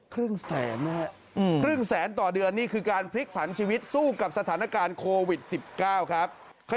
ครึ่งแสนนะฮะครึ่งแสนต่อเดือนนี่คือการพลิกผันชีวิตสู้กับสถานการณ์โควิด๑๙ครับ